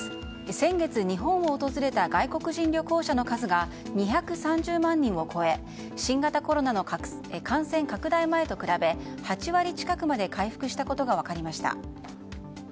先月、日本を訪れた外国人旅行者の数が２３０万人を超え新型コロナの感染拡大前と比べ８割近くまで回復したことが分かりました。